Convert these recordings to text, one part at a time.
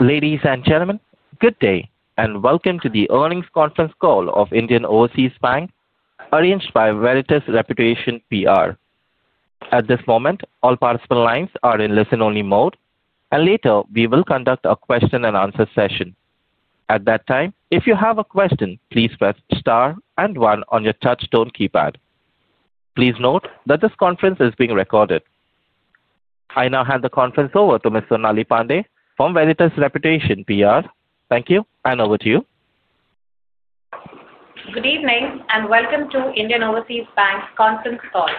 Ladies and gentlemen, good day and welcome to the earnings conference call of Indian Overseas Bank, arranged by Veritas Reputation PR. At this moment, all participant lines are in listen-only mode, and later we will conduct a question-and-answer session. At that time, if you have a question, please press star and one on your touch-tone keypad. Please note that this conference is being recorded. I now hand the conference over to Ms. Sonali Pandey from Veritas Reputation PR. Thank you, and over to you. Good evening and welcome to Indian Overseas Bank's conference call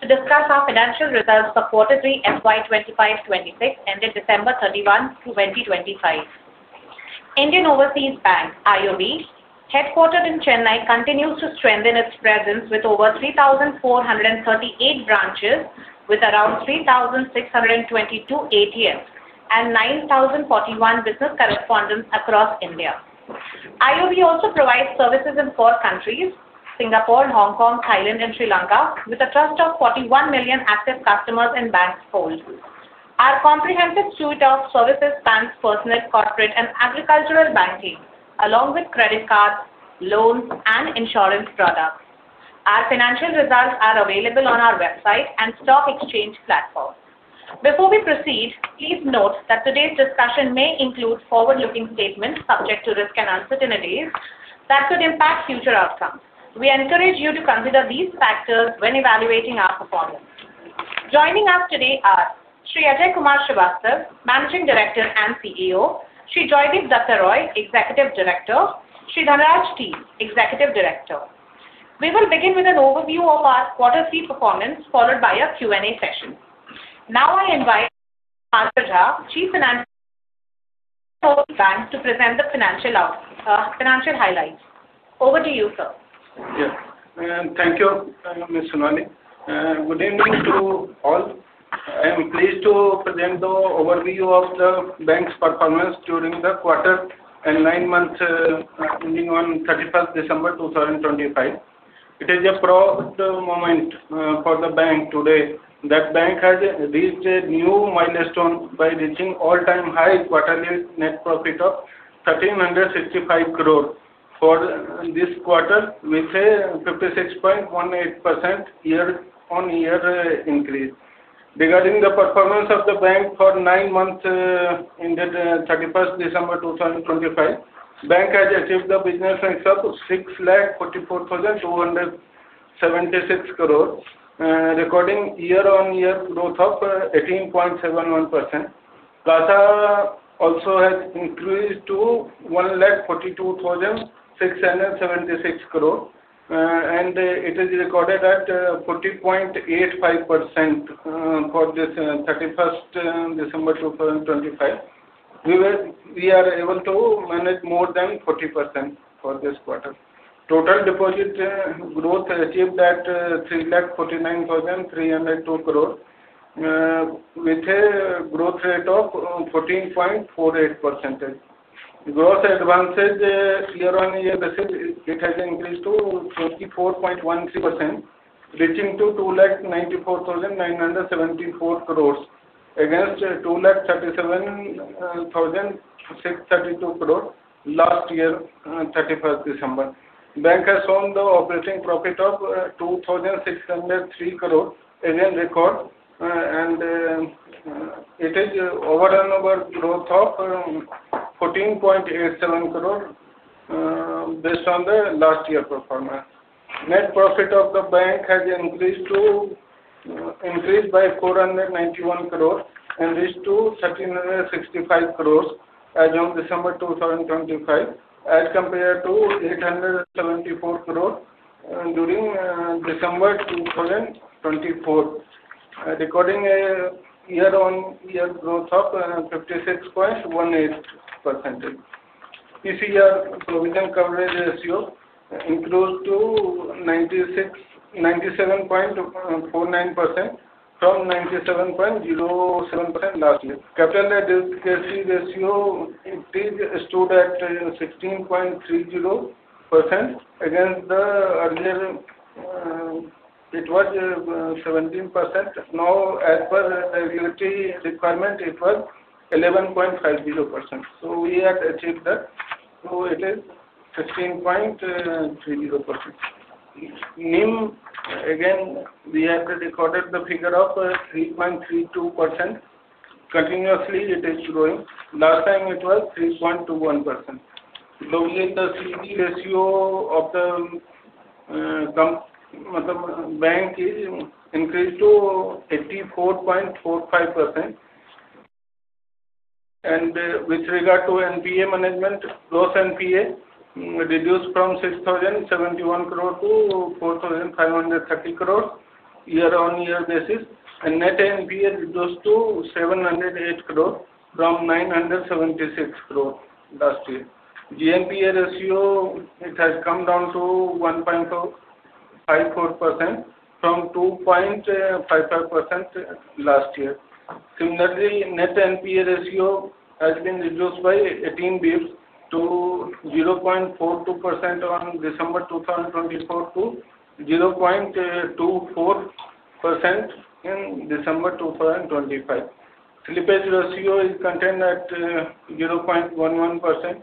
to discuss our financial results for quarter three FY 2025-2026 ended December 31, 2025. Indian Overseas Bank, IOB, headquartered in Chennai, continues to strengthen its presence with over 3,438 branches, with around 3,622 ATMs and 9,041 business correspondents across India. IOB also provides services in four countries: Singapore, Hong Kong, Thailand, and Sri Lanka, with a total of 41 million active customers in the bank's fold. Our comprehensive suite of services spans personal, corporate, and agricultural banking, along with credit cards, loans, and insurance products. Our financial results are available on our website and stock exchange platform. Before we proceed, please note that today's discussion may include forward-looking statements subject to risk and uncertainties that could impact future outcomes. We encourage you to consider these factors when evaluating our performance. Joining us today are Shri Ajay Kumar Srivastava, Managing Director and CEO. He joined with Joydeep Dutta Roy, Shri Dhanaraj T, Executive Director. He is an executive director. We will begin with an overview of our quarter three performance, followed by a Q&A session. Now I invite, Madhaw Chandra Jha, Chief Financial Officer to present the financial highlights. Over to you, sir. Yes, thank you, Ms. Sonali. Good evening to all. I am pleased to present the overview of the bank's performance during the quarter and nine months ending on 31st December 2025. It is a proud moment for the bank today that the bank has reached a new milestone by reaching all-time high quarterly net profit of 1,365 crore for this quarter, with a 56.18% year-on-year increase. Regarding the performance of the bank for nine months ended 31st December 2025, the bank has achieved a business of 644,276 crore, recording year-on-year growth of 18.71%. Advances also has increased to 142,676 crore, and it is recorded at 40.85% for this 31st December 2025. We are able to manage more than 40% for this quarter. Total deposit growth achieved at 349,302 crore, with a growth rate of 14.48%. Gross advances year-on-year has increased to 24.13%, reaching 294,974 crores against 237,632 crore last year, 31st December. The Bank has shown the operating profit of 2,603 crore, a new record, and it is year-over-year growth of 14.87 crore based on the last year performance. Net profit of the bank has increased by 491 crore and reached 1,365 crore as of December 2025, as compared to 874 crore during December 2024, recording a year-on-year growth of 56.18%. PCR, provision coverage ratio, increased to 97.49% from 97.07% last year. Capital adequacy ratio stood at 16.30% against the earlier it was 17%. Now, as per the regulatory requirement, it was 11.50%. So we had achieved that, so it is 16.30%. Again, we have recorded the figure of 3.32%. Continuously, it is growing. Last time, it was 3.21%. The CD ratio of the bank is increased to 84.45%. With regard to NPA management, gross NPA reduced from 6,071 crore to 4,530 crore year-on-year basis, and net NPA reduced to 708 crore from 976 crore last year. GNPA ratio, it has come down to 1.54% from 2.55% last year. Similarly, net NPA ratio has been reduced by 18 basis points to 0.42% on December 2024 to 0.24% in December 2025. Slippage ratio is contained at 0.11%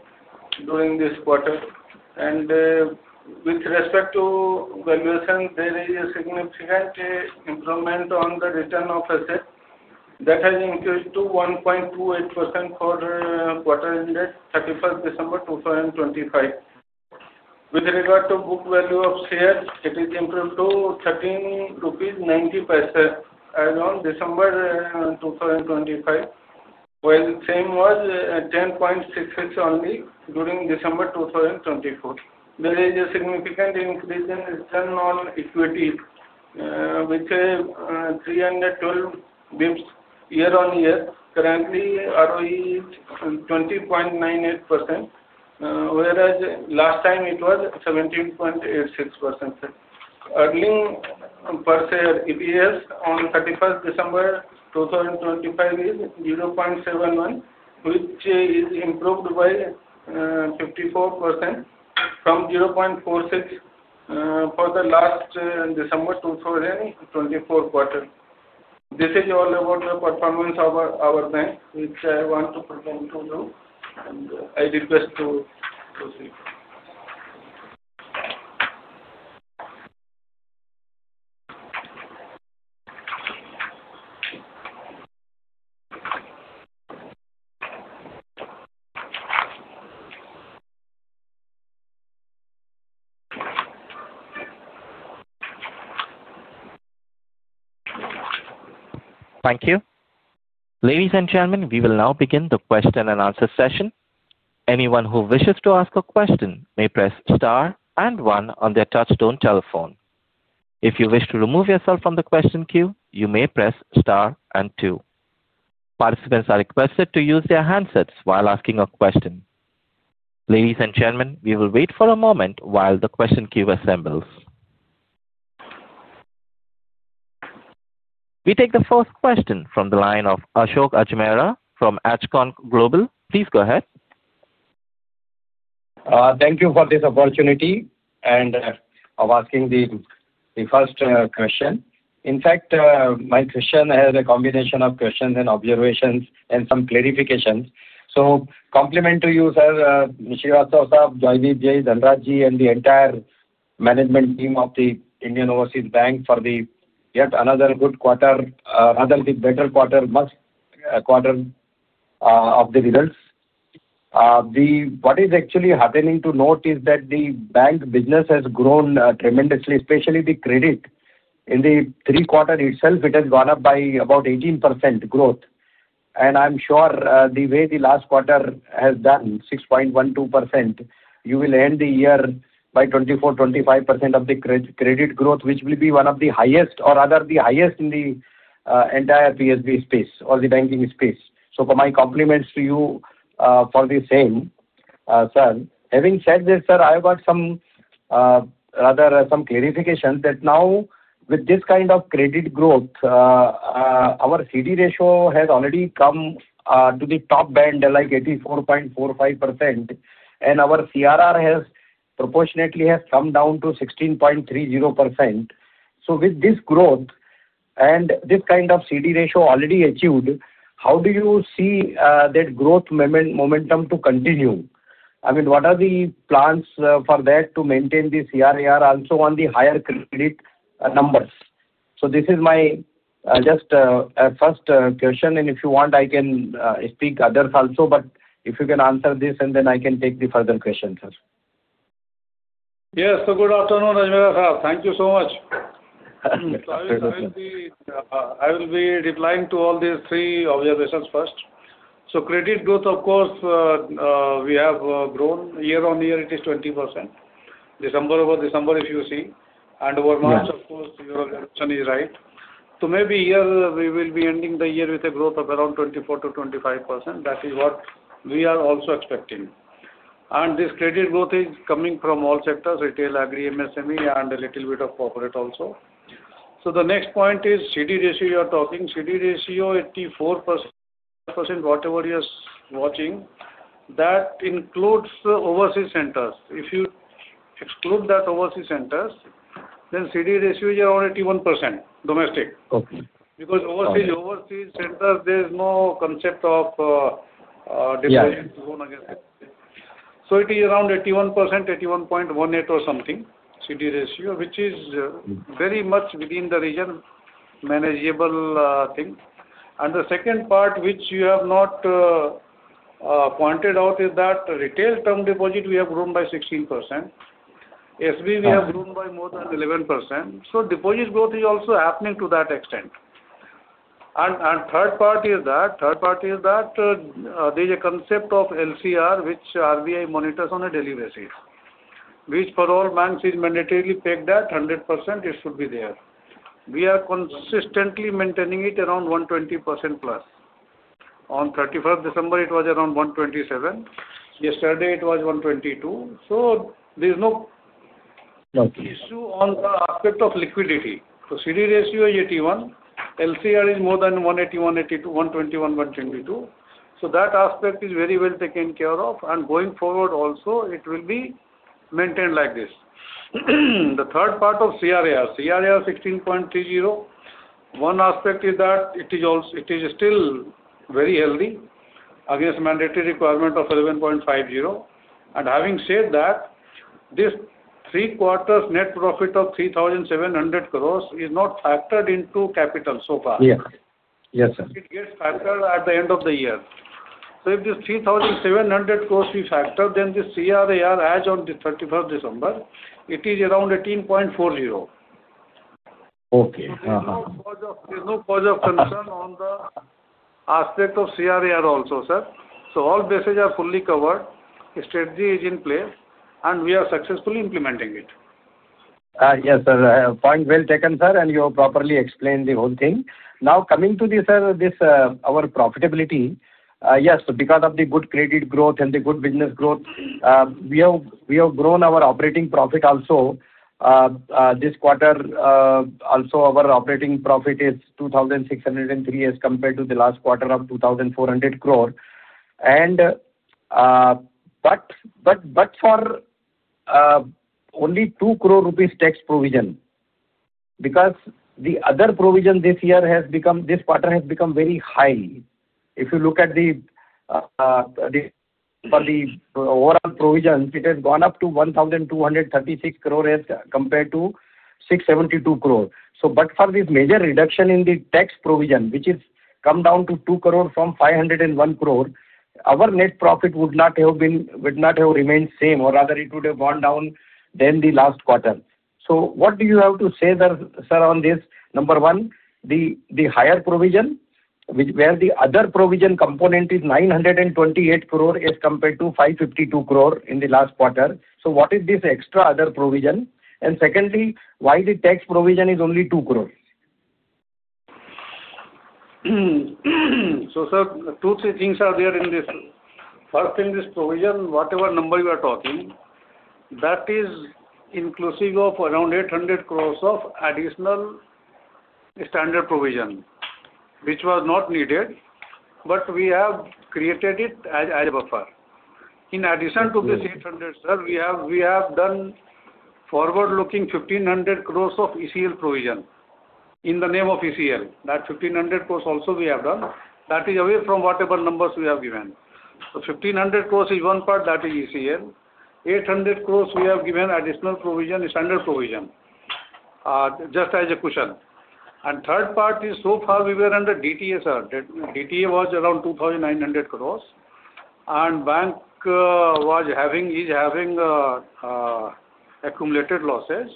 during this quarter. With respect to valuation, there is a significant improvement on the return on assets that has increased to 1.28% for quarter ended 31st December 2025. With regard to book value of shares, it is improved to INR 13.90 as of December 2025, while same was 10.66 only during December 2024. There is a significant increase in return on equity with 312 bps year-on-year. Currently, ROE is 20.98%, whereas last time it was 17.86%. Earnings per share EPS on 31st December 2025 is 0.71, which is improved by 54% from 0.46 for the last December 2024 quarter. This is all about the performance of our bank, which I want to present to you, and I request to proceed. Thank you. Ladies and gentlemen, we will now begin the question and answer session. Anyone who wishes to ask a question may press star and one on their touch-tone telephone. If you wish to remove yourself from the question queue, you may press star and two. Participants are requested to use their handsets while asking a question. Ladies and gentlemen, we will wait for a moment while the question queue assembles. We take the first question from the line of Ashok Ajmera from Ajcon Global. Please go ahead. Thank you for this opportunity and for asking the first question. In fact, my question has a combination of questions and observations and some clarifications. So compliment to you, Sir Srivastava, Joydeep, Dutta Roy, Dhanraj T, and the entire management team of the Indian Overseas Bank for yet another good quarter, rather the better quarter of the results. What is actually happening to note is that the bank business has grown tremendously, especially the credit. In the three quarter itself, it has gone up by about 18% growth. And I'm sure the way the last quarter has done, 6.12%, you will end the year by 24%-25% of the credit growth, which will be one of the highest or rather the highest in the entire PSB space or the banking space. So my compliments to you for the same. Sir, having said this, Sir, I got rather some clarification that now with this kind of credit growth, our CD ratio has already come to the top band like 84.45%, and our CRR has proportionately come down to 16.30%. So with this growth and this kind of CD ratio already achieved, how do you see that growth momentum to continue? I mean, what are the plans for that to maintain the CRR also on the higher credit numbers? So this is my just first question, and if you want, I can speak others also, but if you can answer this, and then I can take the further questions, Sir. Yes, so good afternoon, Ajmera sir. Thank you so much. I will be replying to all these three observations first. So credit growth, of course, we have grown year-on-year. It is 20%. December over December, if you see, and over March, of course, your observation is right. So maybe here we will be ending the year with a growth of around 24%-25%. That is what we are also expecting. And this credit growth is coming from all sectors: retail, agri, MSME, and a little bit of corporate also. So the next point is CD ratio you are talking. CD ratio 84%, whatever you are watching, that includes overseas centers. If you exclude that overseas centers, then CD ratio is around 81% domestic. Because overseas centers, there is no concept of deployment against it. So it is around 81%, 81.18 or something CD ratio, which is very much within the region, manageable thing. And the second part, which you have not pointed out, is that retail term deposit we have grown by 16%. SB we have grown by more than 11%. So deposit growth is also happening to that extent. And third part is that there is a concept of LCR, which RBI monitors on a daily basis, which for all banks is mandatorily pegged at 100%. It should be there. We are consistently maintaining it around 120% plus. On 31st December, it was around 127%. Yesterday, it was 122%. So there is no issue on the aspect of liquidity. So CD ratio is 81%. LCR is more than 100%, 121%, 122%. So that aspect is very well taken care of. Going forward also, it will be maintained like this. The third part of CRR, CRR 16.30%, one aspect is that it is still very healthy against mandatory requirement of 11.50%. Having said that, this three quarters net profit of 3,700 crores is not factored into capital so far. Yes, yes, sir. It gets factored at the end of the year, so if this 3,700 crores we factor, then the CRR as on the 31st December, it is around 18.40%. Okay. There's no cause of concern on the aspect of CRR also, sir. So all bases are fully covered. Strategy is in place, and we are successfully implementing it. Yes, sir. Point well taken, sir, and you properly explained the whole thing. Now coming to this, sir, this our profitability, yes, because of the good credit growth and the good business growth, we have grown our operating profit also this quarter. Also, our operating profit is 2,603 crore as compared to the last quarter of 2,400 crore. And but for only 2 crore rupees tax provision, because the other provision this quarter has become very high. If you look at the overall provisions, it has gone up to 1,236 crore as compared to 672 crore. So but for this major reduction in the tax provision, which has come down to 2 crore from 501 crore, our net profit would not have remained same, or rather it would have gone down than the last quarter. So what do you have to say, sir, on this? Number one, the higher provision, where the other provision component is 928 crore as compared to 552 crore in the last quarter. So what is this extra other provision? And secondly, why the tax provision is only 2 crore? So, sir, two or three things are there in this. First, in this provision, whatever number you are talking, that is inclusive of around 800 crore of additional standard provision, which was not needed, but we have created it as a buffer. In addition to this 800, sir, we have done forward-looking 1,500 crore of ECL provision in the name of ECL. That 1,500 crore also we have done. That is away from whatever numbers we have given. So, 1,500 crore is one part that is ECL. 800 crore we have given additional provision, standard provision, just as a cushion. And third part is so far we were under DTA, sir. DTA was around 2,900 crore, and bank was having is having accumulated losses.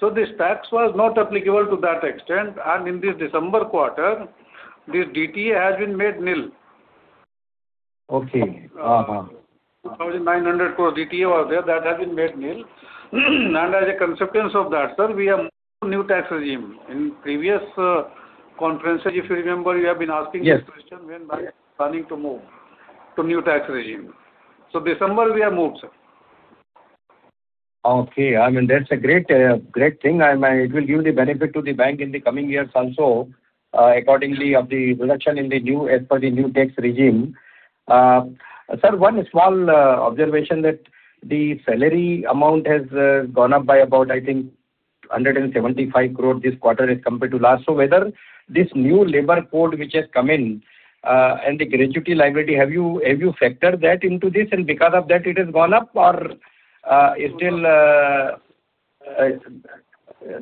So this tax was not applicable to that extent. And in this December quarter, this DTA has been made nil. Okay. 2,900 crore DTA was there. That has been made nil, and as a consequence of that, sir, we have moved to new tax regime. In previous conferences, if you remember, you have been asking this question when banks are planning to move to new tax regime, so December, we have moved, sir. Okay. I mean, that's a great thing. It will give the benefit to the bank in the coming years also, accordingly of the reduction in the new as per the new tax regime. Sir, one small observation that the salary amount has gone up by about, I think, 175 crore this quarter as compared to last. So whether this new labor code, which has come in, and the gratuity liability, have you factored that into this? And because of that, it has gone up, or is still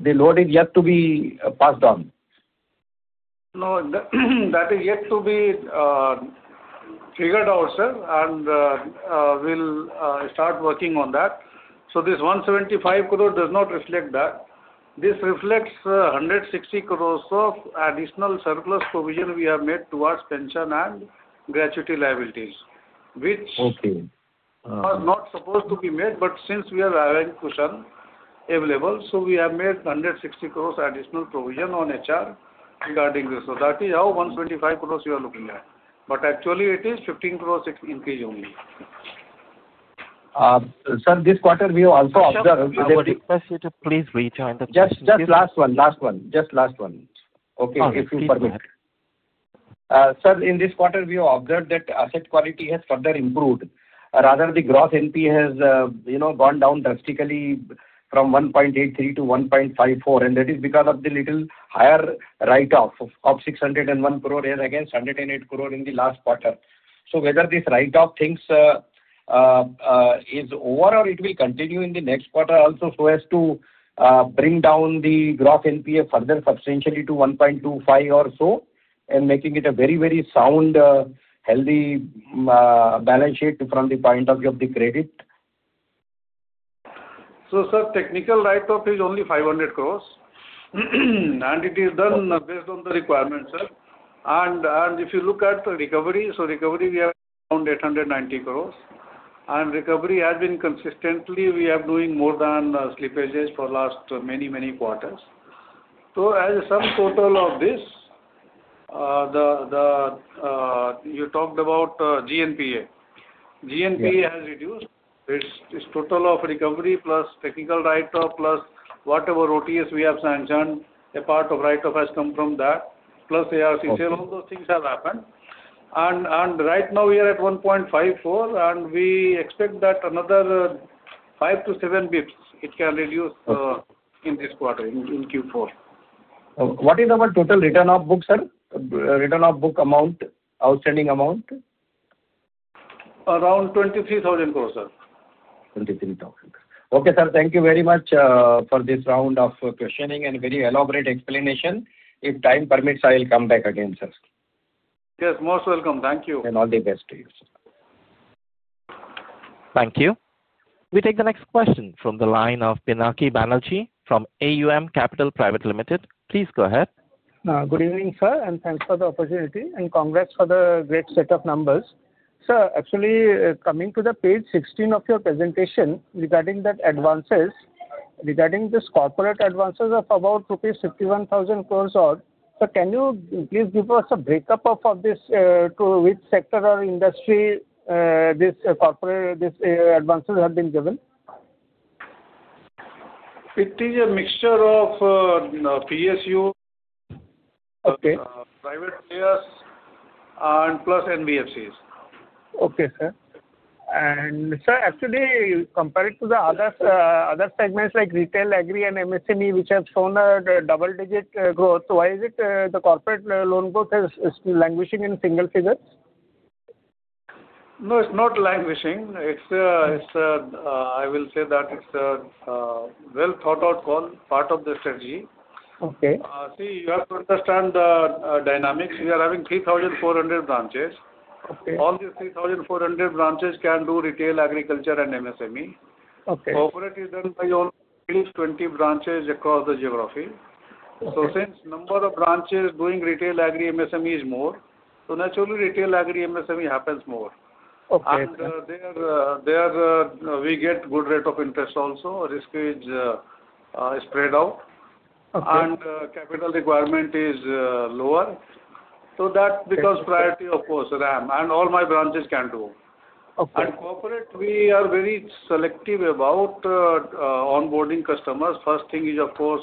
the load is yet to be passed on? No, that is yet to be triggered also, and we'll start working on that. So this 175 crore does not reflect that. This reflects 160 crores of additional surplus provision we have made towards pension and gratuity liabilities, which was not supposed to be made, but since we have available cushion, so we have made 160 crores additional provision on HR regarding this. So that is how 175 crores you are looking at. But actually, it is 15 crores increase only. Sir, this quarter, we also observed that. Please rejoin the question. Just last one. Okay, if you permit. Sir, in this quarter, we have observed that asset quality has further improved. Rather, the gross NP has gone down drastically from 1.83% to 1.54%. And that is because of the little higher write-off of 601 crore as against 108 crore in the last quarter. So whether this write-off thing is over or it will continue in the next quarter also so as to bring down the gross NP further substantially to 1.25% or so, and making it a very, very sound, healthy balance sheet from the point of view of the credit? Sir, technical write-off is only 500 crores, and it is done based on the requirement, sir. If you look at the recovery, recovery we have around 890 crores. Recovery has been consistently we have been doing more than slippages for last many, many quarters. As a sum total of this, you talked about GNPA. GNPA has reduced its total of recovery plus technical write-off plus whatever OTS we have sanctioned, a part of write-off has come from that, plus ARC sale. All those things have happened. Right now, we are at 1.54%, and we expect that another five-to-seven bps it can reduce in this quarter in Q4. What is our total recovery of book, sir? Recovery of book amount, outstanding amount? Around 23,000 crores, sir. 23,000. Okay, sir. Thank you very much for this round of questioning and very elaborate explanation. If time permits, I'll come back again, sir. Yes, most welcome. Thank you. All the best to you, sir. Thank you. We take the next question from the line of Pinaki Banerjee from AUM Capital Private Limited. Please go ahead. Good evening, sir, and thanks for the opportunity. And congrats for the great set of numbers. Sir, actually, coming to the page 16 of your presentation regarding that advances, regarding this corporate advances of about rupees 51,000 crores or so, can you please give us a breakup of which sector or industry this corporate advances have been given? It is a mixture of PSU, private players, and plus NBFCs. Okay, sir. And sir, actually, compared to the other segments like retail, agri, and MSME, which have shown a double-digit growth, why is it the corporate loan growth is languishing in single figures? No, it's not languishing. It's, I will say that it's a well-thought-out call, part of the strategy. See, you have to understand the dynamics. We are having 3,400 branches. All these 3,400 branches can do retail, agriculture, and MSME. Corporate is done by only 20 branches across the geography. So since the number of branches doing retail, agri, MSME is more, so naturally, retail, agri, MSME happens more. And there we get good rate of interest also. Risk is spread out, and capital requirement is lower. So that becomes priority, of course, RAM. And all my branches can do. And corporate, we are very selective about onboarding customers. First thing is, of course,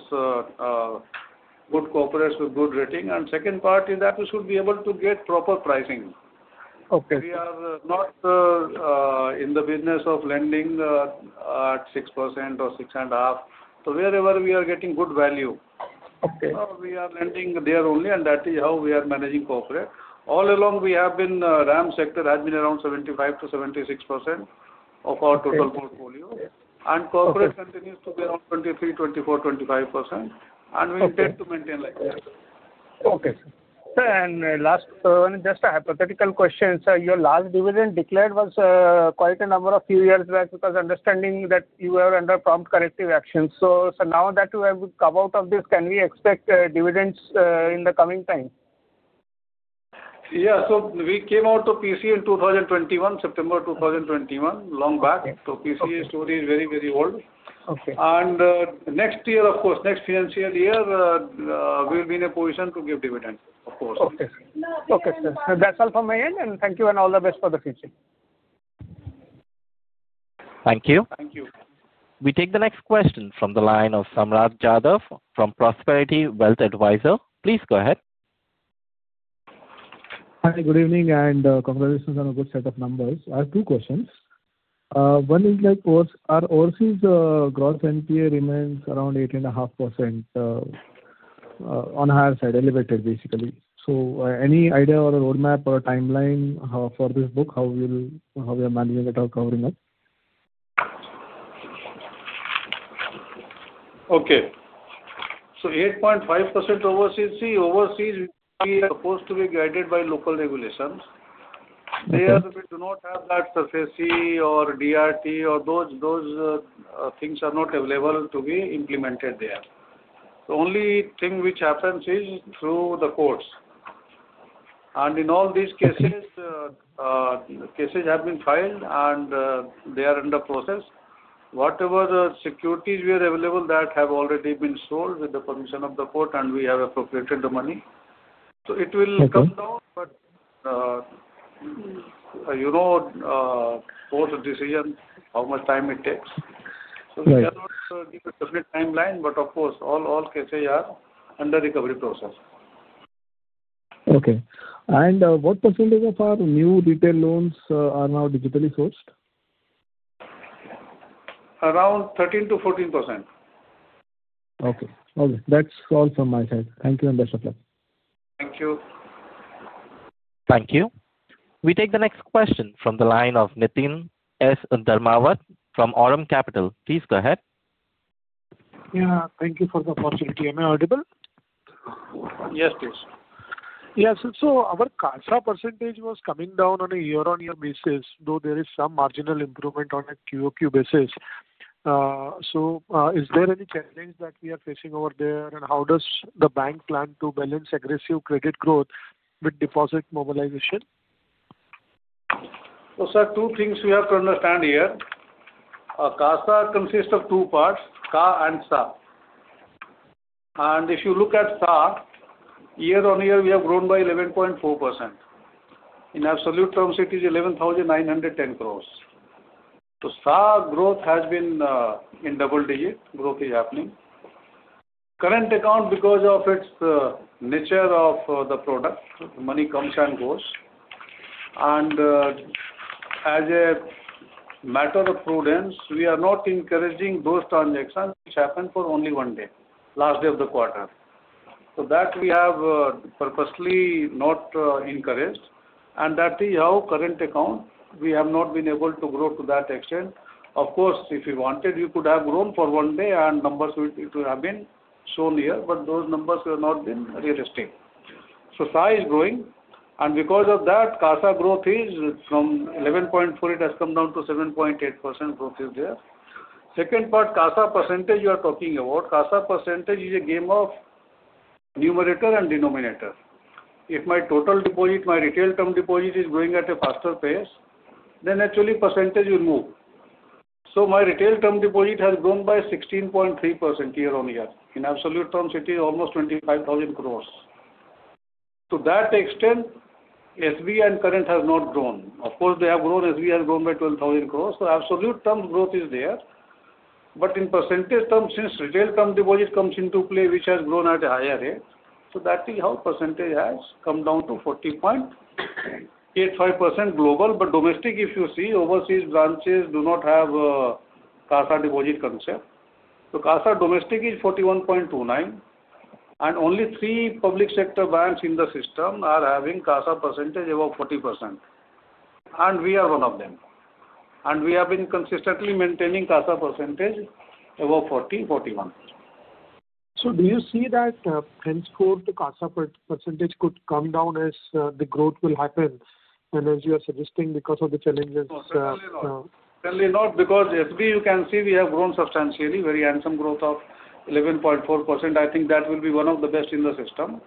good corporates with good rating. And second part is that we should be able to get proper pricing. We are not in the business of lending at 6% or 6.5%. So wherever we are getting good value, we are lending there only, and that is how we are managing corporate. All along, our retail and MSME sector has been around 75%-76% of our total portfolio. And corporate continues to be around 23%, 24%, 25%. And we intend to maintain like that. Okay, sir. Sir, and last one, just a hypothetical question. Sir, your last dividend declared was quite a number of few years back because understanding that you were under Prompt Corrective Action. So now that you have come out of this, can we expect dividends in the coming time? Yeah. So we came out of PCA in 2021, September 2021, long back. So PCA story is very, very old. And next year, of course, next financial year, we'll be in a position to give dividends, of course. Okay, sir. That's all from my end. And thank you, and all the best for the future. Thank you. Thank you. We take the next question from the line of Samraat Jadhav from Prosperity Wealth Adviser. Please go ahead. Hi, good evening, and congratulations on a good set of numbers. I have two questions. One is, our IOB's gross NPA remains around 8.5% on the higher side, elevated, basically. So any idea or a roadmap or a timeline for this book, how we are managing it or covering it? Okay, so 8.5% OVCC. OVCC is supposed to be guided by local regulations. They do not have that SARFAESI or DRT, or those things are not available to be implemented there. The only thing which happens is through the courts, and in all these cases, cases have been filed, and they are under process. Whatever securities were available, that have already been sold with the permission of the court, and we have appropriated the money. So it will come down, but you know both decisions how much time it takes, so we cannot give a definite timeline, but of course, all cases are under recovery process. Okay, and what percentage of our new retail loans are now digitally sourced? Around 13%-14%. Okay. Okay. That's all from my side. Thank you and best of luck. Thank you. Thank you. We take the next question from the line of Niteen S Dharmawat from Aurum Capital. Please go ahead. Yeah. Thank you for the opportunity. Am I audible? Yes, please. Yes. So our CASA percentage was coming down on a year-on-year basis, though there is some marginal improvement on a QoQ basis. So is there any challenge that we are facing over there, and how does the bank plan to balance aggressive credit growth with deposit mobilization? Sir, two things we have to understand here. CASA consists of two parts, CA and SA. And if you look at CA, year-on-year, we have grown by 11.4%. In absolute terms, it is 11,910 crores. So CA growth has been in double-digit growth is happening. Current account, because of its nature of the product, money comes and goes. And as a matter of prudence, we are not encouraging those transactions which happened for only one day, last day of the quarter. So that we have purposely not encouraged. And that is how current account, we have not been able to grow to that extent. Of course, if you wanted, you could have grown for one day, and numbers would have been shown here, but those numbers have not been realistic. So CA is growing. Because of that, CASA growth is from 11.4%; it has come down to 7.8%. Growth is there. Second part, CASA percentage you are talking about, CASA percentage is a game of numerator and denominator. If my total deposit, my retail term deposit is growing at a faster pace, then actually percentage will move. So my retail term deposit has grown by 16.3% year-on-year. In absolute terms, it is almost 25,000 crores. To that extent, SB and current has not grown. Of course, they have grown. SB has grown by 12,000 crores. So absolute term growth is there. But in percentage terms, since retail term deposit comes into play, which has grown at a higher rate, so that is how percentage has come down to 40.85% global. But domestic, if you see, overseas branches do not have CASA deposit concept. So CASA domestic is 41.29%. Only three public sector banks in the system are having CASA percentage above 40%. We are one of them. We have been consistently maintaining CASA percentage above 40%, 41%. Do you see that henceforth the CASA percentage could come down as the growth will happen, as you are suggesting, because of the challenges? Certainly not. Because SB, you can see we have grown substantially, very handsome growth of 11.4%. I think that will be one of the best in the system.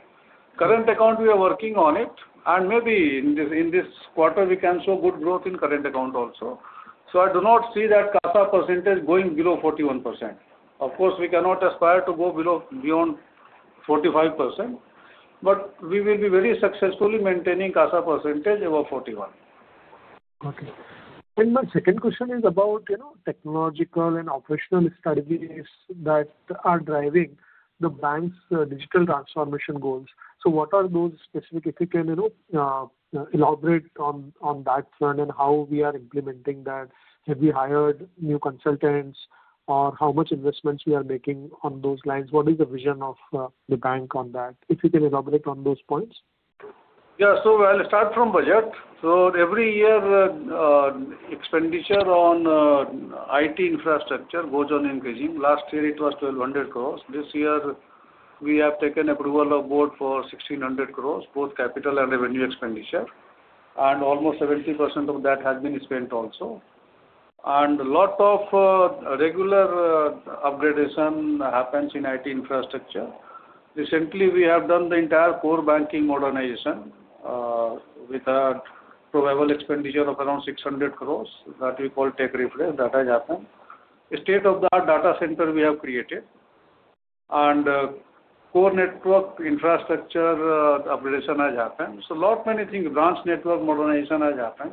Current account, we are working on it, and maybe in this quarter, we can show good growth in current account also, so I do not see that CASA percentage going below 41%. Of course, we cannot aspire to go beyond 45%, but we will be very successfully maintaining CASA percentage above 41%. Okay. And my second question is about technological and operational strategies that are driving the bank's digital transformation goals. So what are those specific, if you can elaborate on that front and how we are implementing that? Have we hired new consultants, or how much investments we are making on those lines? What is the vision of the bank on that? If you can elaborate on those points. Yeah. So I'll start from budget. So every year, expenditure on IT infrastructure goes on increasing. Last year, it was 1,200 crores. This year, we have taken approval of board for 1,600 crores, both capital and revenue expenditure. And almost 70% of that has been spent also. And a lot of regular upgradation happens in IT infrastructure. Recently, we have done the entire core banking modernization with a probable expenditure of around 600 crores that we call tech refresh. That has happened. State-of-the-art data center we have created. And core network infrastructure upgradation has happened. So a lot many things, branch network modernization has happened.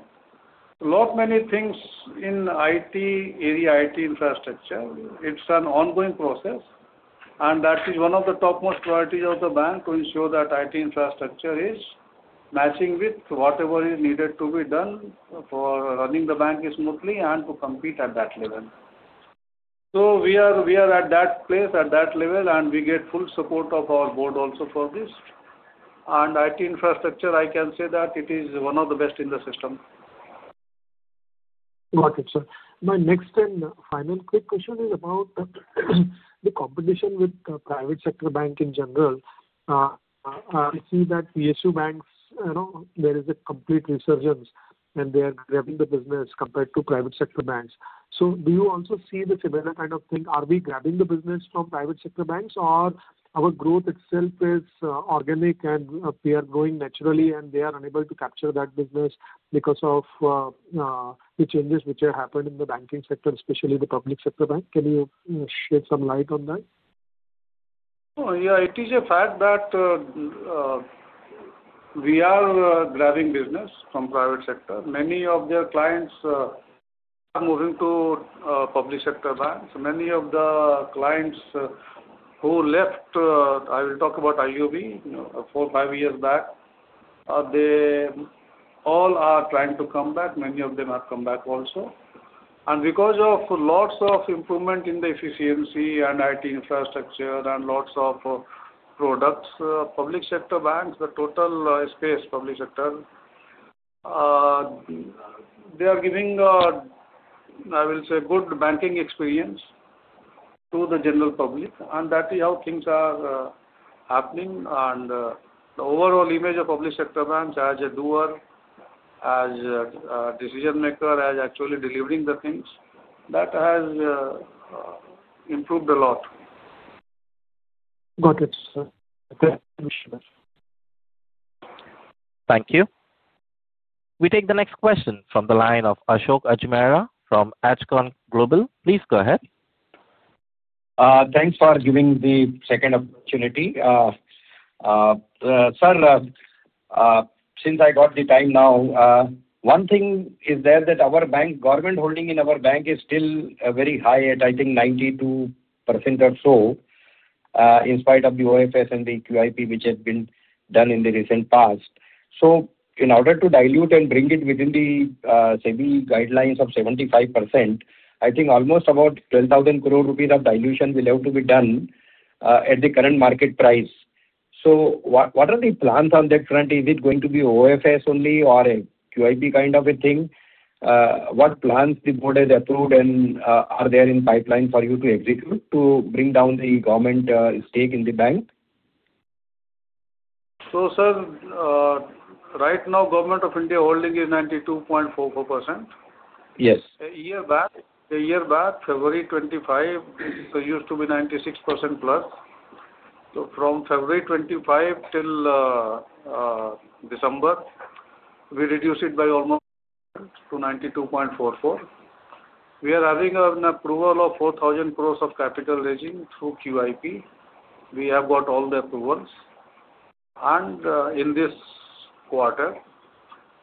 A lot many things in IT area, IT infrastructure, it's an ongoing process. That is one of the topmost priorities of the bank to ensure that IT infrastructure is matching with whatever is needed to be done for running the bank smoothly and to compete at that level. We are at that place, at that level, and we get full support of our board also for this. IT infrastructure, I can say that it is one of the best in the system. Okay, sir. My next and final quick question is about the competition with the private sector bank in general. I see that PSU banks, there is a complete resurgence, and they are grabbing the business compared to private sector banks. So do you also see the similar kind of thing? Are we grabbing the business from private sector banks, or our growth itself is organic and we are growing naturally, and they are unable to capture that business because of the changes which have happened in the banking sector, especially the public sector bank? Can you shed some light on that? Sure. Yeah. It is a fact that we are grabbing business from private sector. Many of their clients are moving to public sector banks. Many of the clients who left, I will talk about IOB four, five years back, they all are trying to come back. Many of them have come back also. And because of lots of improvement in the efficiency and IT infrastructure and lots of products, public sector banks, the total space, public sector, they are giving, I will say, good banking experience to the general public. And that is how things are happening. And the overall image of public sector banks as a doer, as a decision maker, as actually delivering the things, that has improved a lot. Got it, sir. Thank you, sir. Thank you. We take the next question from the line of Ashok Ajmera from Ajcon Global. Please go ahead. Thanks for giving the second opportunity. Sir, since I got the time now, one thing is there that the government holding in our bank is still very high at, I think, 92% or so, in spite of the OFS and the QIP, which have been done in the recent past. So in order to dilute and bring it within the SEBI guidelines of 75%, I think almost about 12,000 crore rupees of dilution will have to be done at the current market price. So what are the plans on that front? Is it going to be OFS only or a QIP kind of a thing? What plans the board has approved and are there in pipeline for you to execute to bring down the government stake in the bank? So, sir, right now, Government of India holding is 92.44%. Yes. A year back, February 25, it used to be 96% plus. So from February 25 till December, we reduced it by almost to 92.44%. We are having an approval of 4,000 crore of capital raising through QIP. We have got all the approvals. And in this quarter,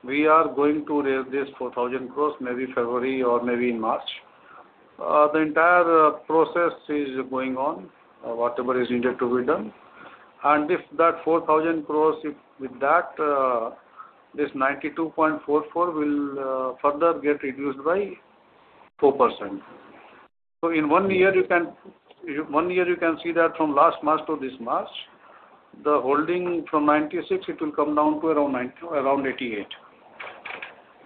we are going to raise this 4,000 crore, maybe February or maybe in March. The entire process is going on, whatever is needed to be done. And if that 4,000 crore, with that, this 92.44% will further get reduced by 4%. So in one year, you can see that from last March to this March, the holding from 96%, it will come down to around 88%.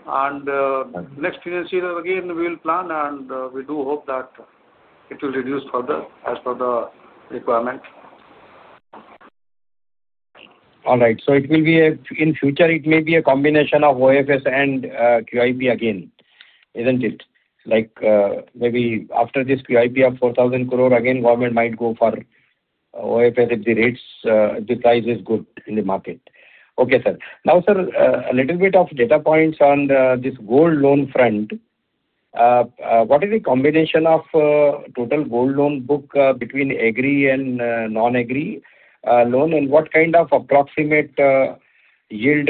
And next year, again, we will plan, and we do hope that it will reduce further as per the requirement. All right. So it will be a in future, it may be a combination of OFS and QIP again, isn't it? Like maybe after this QIP of 4,000 crore, again, government might go for OFS if the price is good in the market. Okay, sir. Now, sir, a little bit of data points on this gold loan front. What is the combination of total gold loan book between agri and non-agri loan, and what kind of approximate yield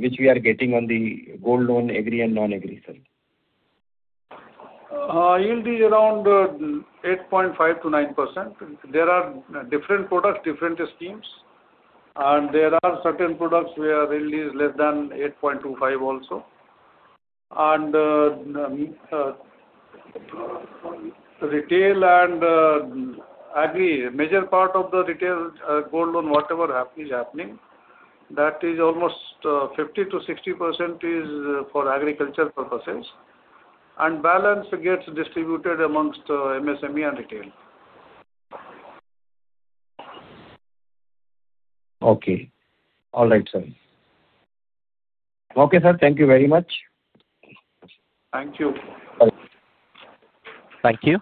which we are getting on the gold loan agri and non-agri, sir? Yield is around 8.5% to 9%. There are different products, different schemes. And there are certain products where yield is less than 8.25% also. And retail and agri, major part of the retail gold loan, whatever is happening, that is almost 50% to 60% is for agriculture purposes. And balance gets distributed among MSME and retail. Okay. All right, sir. Okay, sir. Thank you very much. Thank you. Thank you.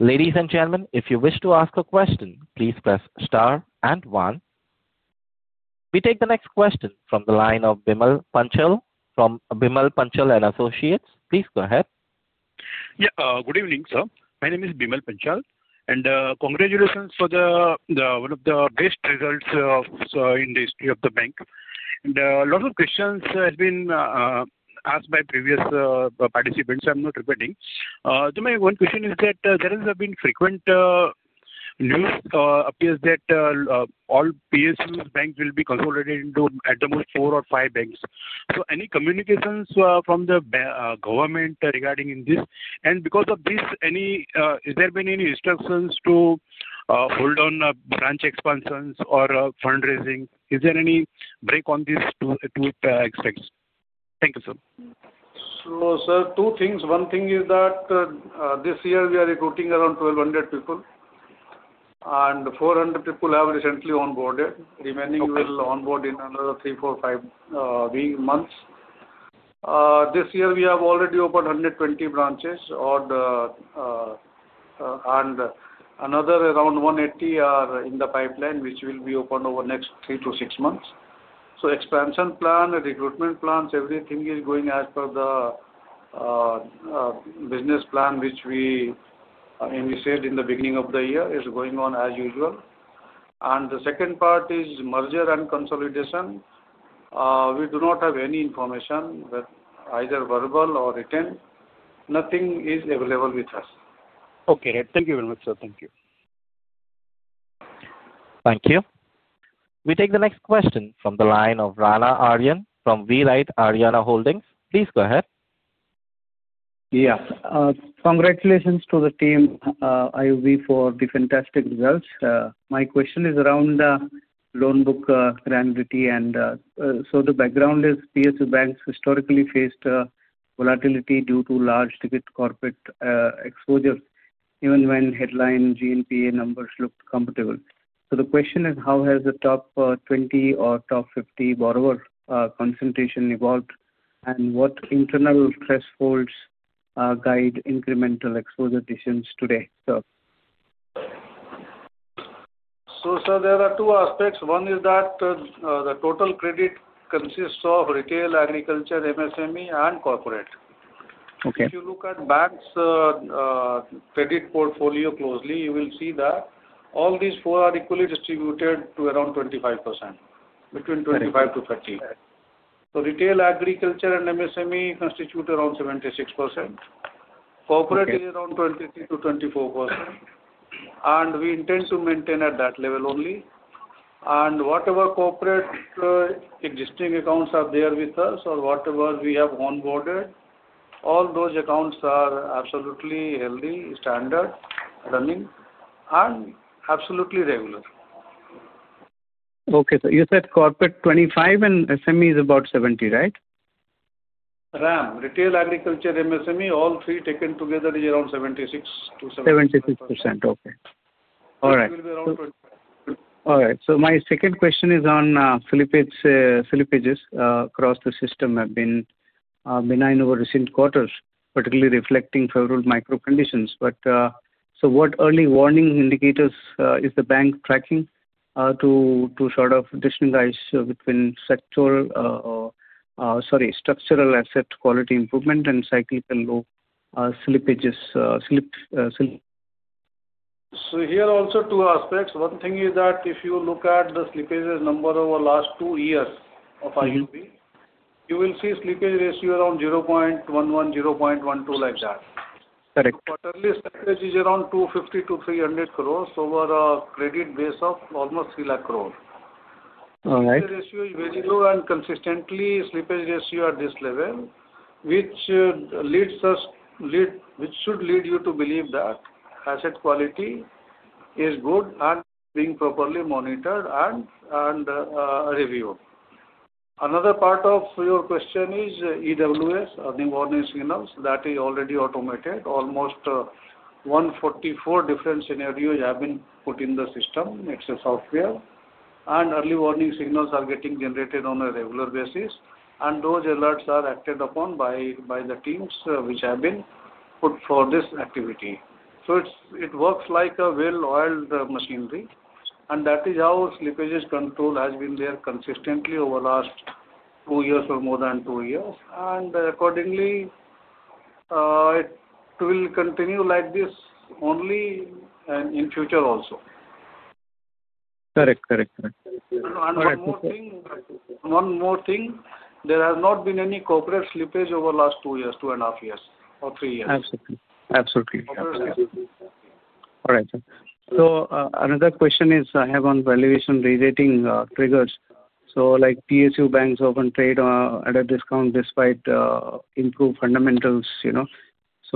Ladies and gentlemen, if you wish to ask a question, please press star and one. We take the next question from the line of Bimal Panchal from Bimal Panchal & Associates. Please go ahead. Yeah. Good evening, sir. My name is Bimal Panchal. And congratulations for one of the best results in the history of the bank. And a lot of questions have been asked by previous participants. I'm not repeating. One question is that there has been frequent news appears that all PSU banks will be consolidated into at the most four or five banks. So any communications from the government regarding this? And because of this, is there been any instructions to hold on branch expansions or fundraising? Is there any break on these two aspects? Thank you, sir. So, sir, two things. One thing is that this year, we are recruiting around 1,200 people. And 400 people have recently onboarded. Remaining will onboard in another three, four, five months. This year, we have already opened 120 branches. And another around 180 are in the pipeline, which will be opened over the next three to six months. So expansion plan, recruitment plans, everything is going as per the business plan, which we initiated in the beginning of the year, is going on as usual. And the second part is merger and consolidation. We do not have any information, either verbal or written. Nothing is available with us. Okay. Thank you very much, sir. Thank you. Thank you. We take the next question from the line of Rana Aryan from VRight Aaryana Holdings. Please go ahead. Yeah. Congratulations to the team, IOB, for the fantastic results. My question is around loan book granularity. And so the background is PSU banks historically faced volatility due to large ticket corporate exposures, even when headline GNPA numbers looked compatible. So the question is, how has the top 20 or top 50 borrower concentration evolved, and what internal thresholds guide incremental exposure decisions today, sir? So, sir, there are two aspects. One is that the total credit consists of retail, agriculture, MSME, and corporate. If you look at banks' credit portfolio closely, you will see that all these four are equally distributed to around 25%, between 25%-30%. So retail, agriculture, and MSME constitute around 76%. Corporate is around 23%-24%. And we intend to maintain at that level only. And whatever corporate existing accounts are there with us or whatever we have onboarded, all those accounts are absolutely healthy, standard, running, and absolutely regular. Okay. So you said corporate 25% and SME is about 70%, right? RAM, retail, agriculture, MSME, all three taken together is around 76%-77%. 76%. Okay. All right. It will be around 25%. All right. So my second question is on slippages across the system have been benign over recent quarters, particularly reflecting favorable macro-conditions. But so what early warning indicators is the bank tracking to sort of distinguish between sectoral, sorry, structural asset quality improvement and cyclical slippages? So here are also two aspects. One thing is that if you look at the slippage number over the last two years of IOB, you will see slippage ratio around 0.11, 0.12 like that. Correct. Early slippage is around 250-300 crores over a credit base of almost 3 lakh crores. All right. Slippage ratio is very low, and consistently, slippage ratio at this level, which should lead you to believe that asset quality is good and being properly monitored and reviewed. Another part of your question is EWS, early warning signals. That is already automated. Almost 144 different scenarios have been put in the system. It's a software. And early warning signals are getting generated on a regular basis. And those alerts are acted upon by the teams which have been put for this activity. So it works like a well-oiled machinery. And that is how slippage control has been there consistently over the last two years or more than two years. And accordingly, it will continue like this only in future also. Correct. Correct. Correct. One more thing. There has not been any corporate slippage over the last two years, two and a half years or three years. Absolutely. All right, sir. So another question I have on valuation re-rating triggers. So like PSU banks often trade at a discount despite improved fundamentals. So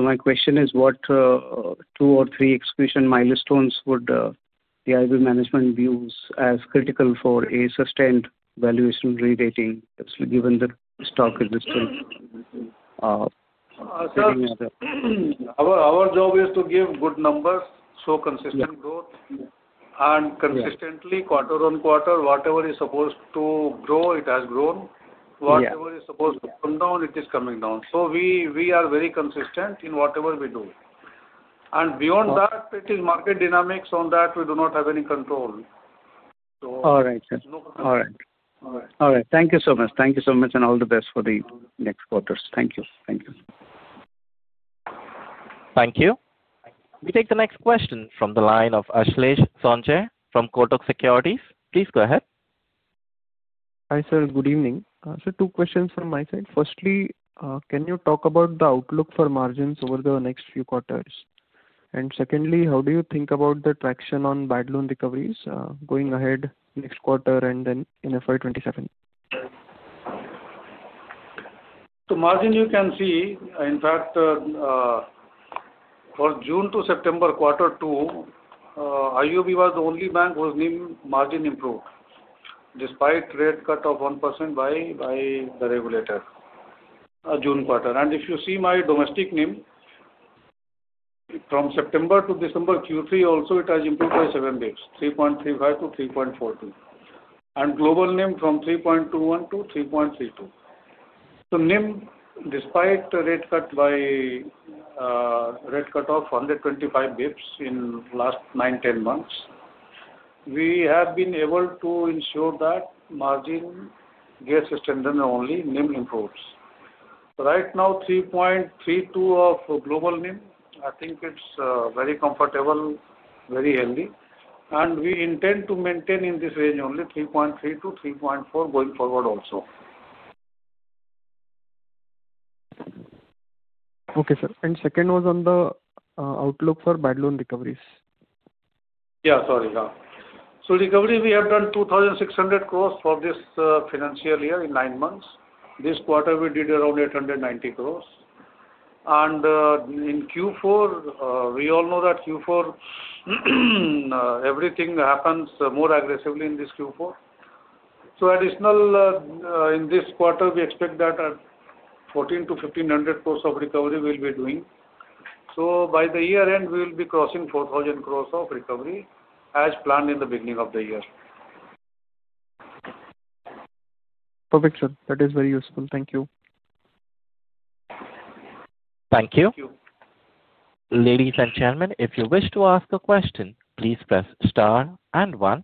my question is, what two or three execution milestones would the IOB management view as critical for a sustained valuation re-rating given the stock existence? Our job is to give good numbers, show consistent growth. And consistently, quarter on quarter, whatever is supposed to grow, it has grown. Whatever is supposed to come down, it is coming down. So we are very consistent in whatever we do. And beyond that, it is market dynamics on that. We do not have any control. All right, sir. Thank you so much and all the best for the next quarters. Thank you. Thank you. We take the next question from the line of Ashlesh Sonje from Kotak Securities. Please go ahead. Hi, sir. Good evening. Sir, two questions from my side. Firstly, can you talk about the outlook for margins over the next few quarters? And secondly, how do you think about the traction on bad loan recoveries going ahead next quarter and then in FY 2027? The margin you can see, in fact, for June to September quarter two, IOB was the only bank whose NIM margin improved despite rate cut of 1% by the regulator June quarter. And if you see my domestic NIM, from September to December Q3 also, it has improved by 7 bps, 3.35%-3.42%. And global NIM from 3.21%-3.32%. So NIM, despite rate cut of 125 basis points in the last nine, 10 months, we have been able to ensure that margin gets sustained and only NIM improves. Right now, 3.32% of global NIM, I think it's very comfortable, very healthy. And we intend to maintain in this range only, 3.3%-3.4% going forward also. Okay, sir. And second was on the outlook for bad loan recoveries. Yeah. Sorry, so recovery, we have done 2,600 crores for this financial year in nine months. This quarter, we did around 890 crores, and in Q4, we all know that Q4, everything happens more aggressively in this Q4. So, additional, in this quarter, we expect that 1,400 to 1,500 crores of recovery we'll be doing. So, by the year end, we will be crossing 4,000 crores of recovery as planned in the beginning of the year. Perfect, sir. That is very useful. Thank you. Thank you. Thank you. Ladies and gentlemen, if you wish to ask a question, please press star and one.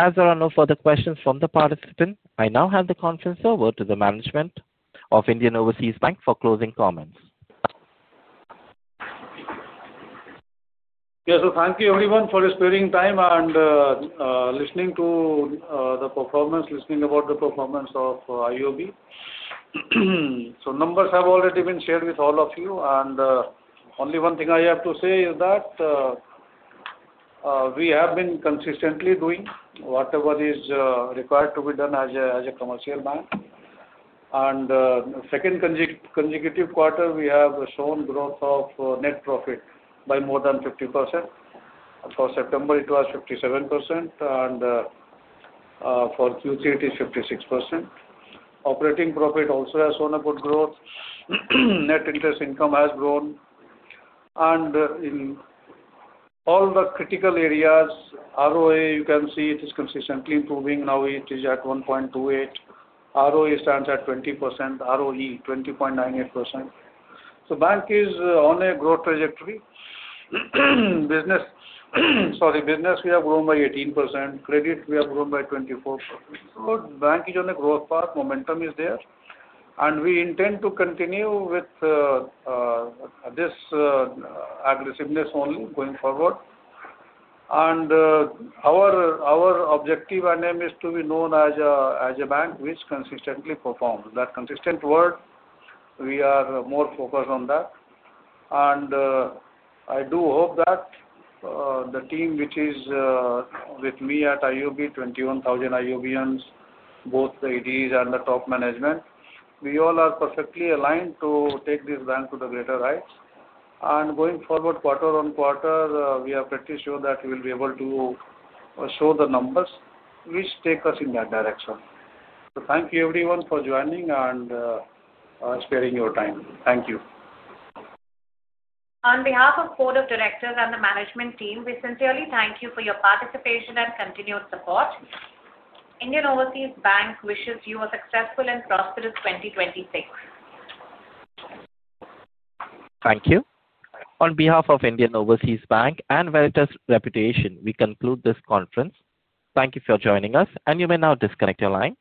As there are no further questions from the participants, I now hand the conference over to the management of Indian Overseas Bank for closing comments. Yeah. So thank you, everyone, for sparing time and listening to the performance, listening about the performance of IOB. So numbers have already been shared with all of you. And only one thing I have to say is that we have been consistently doing whatever is required to be done as a commercial bank. And second consecutive quarter, we have shown growth of net profit by more than 50%. For September, it was 57%. And for Q3, it is 56%. Operating profit also has shown a good growth. Net interest income has grown. And in all the critical areas, ROA, you can see it is consistently improving. Now it is at 1.28. ROE stands at 20%. ROE, 20.98%. So bank is on a growth trajectory. Business, sorry, business we have grown by 18%. Credit, we have grown by 24%. So bank is on a growth path. Momentum is there. And we intend to continue with this aggressiveness only going forward. And our objective and aim is to be known as a bank which consistently performs. That consistent word, we are more focused on that. And I do hope that the team which is with me at IOB, 21,000 IOBians, both the ADs and the top management, we all are perfectly aligned to take this bank to the greater heights. And going forward, quarter on quarter, we are pretty sure that we will be able to show the numbers which take us in that direction. So thank you, everyone, for joining and sparing your time. Thank you. On behalf of the board of directors and the management team, we sincerely thank you for your participation and continued support. Indian Overseas Bank wishes you a successful and prosperous 2026. Thank you. On behalf of Indian Overseas Bank and Veritas Reputation, we conclude this conference. Thank you for joining us. And you may now disconnect your line.